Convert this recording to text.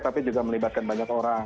tapi juga melibatkan banyak orang